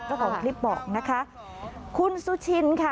แล้วก็รีบบอกคุณซุชินค่ะ